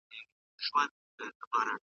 د تاريخ پېښې بايد هېرې نه کړو.